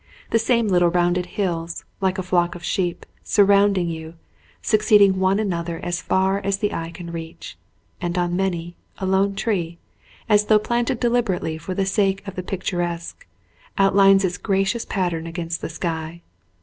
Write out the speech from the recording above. The same little rounded hills, like a flock of sheep, surrounding you, succeeding one another as far as the eye can reach; and on many, a lone tree, as though planted deliberately for the sake of the picturesque, outlines its gracious pattern against the sky.